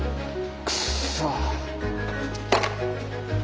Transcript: くっそ。